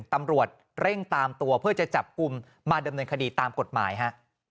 ตำรวจเร่งตามตัวเพื่อจะจับกลุ่มมาดำเนินคดีตามกฎหมายฮะ